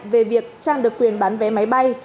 về việc trang được quyền bán vé máy bay